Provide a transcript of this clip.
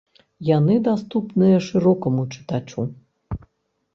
Яны даступныя шырокаму чытачу.